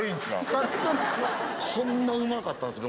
こんなうまかったんですね